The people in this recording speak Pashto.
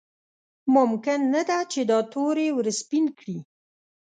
ممکن نه ده چې دا تور یې ورسپین کړي.